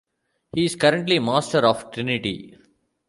He is currently Master of Trinity.